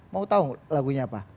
mau tahu lagunya apa